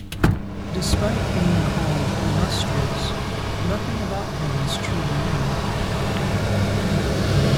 Despite being called "illustrious," nothing about him is truly known.